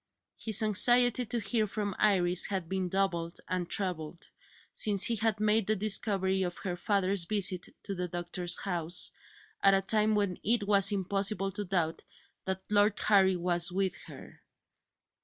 His anxiety to hear from Iris had been doubled and trebled, since he had made the discovery of her father's visit to the doctor's house, at a time when it was impossible to doubt that Lord Harry was with her.